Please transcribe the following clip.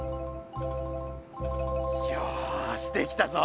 よしできたぞ！